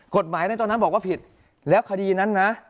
กฎหมายในตอนนั้นบอกว่าผิดแล้วคดีนั้นนะ